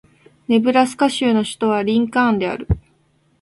ネブラスカ州の州都はリンカーンである